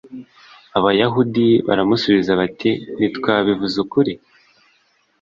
Abayahudi baramusubiza bati ntitwabivuze ukuri